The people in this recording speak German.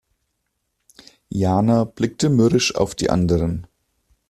Jana blickte mürrisch auf die anderen.